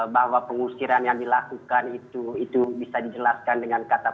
bahwa pengusiran yang dilakukan itu bisa dijelaskan dengan kata